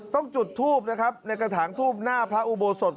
ต้องจุดทูบนะครับในกระถางทูบหน้าพระอุโบสถ